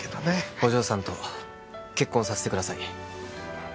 お嬢さんと結婚させてください